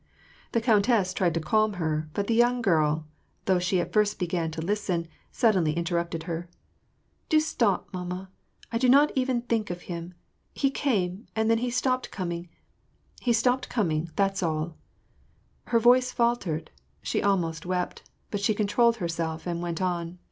The countess tried to calm her ; but the young girl, though she at first began to listen, suddenly interrupted her, —" Do stop, mamma: I do not even think of him. He came, and then he stopped coming — he stopped coming, that's alL" Her voice faltered: she almost wept; but she controlled herself, and went on, — WAR AND PEACE.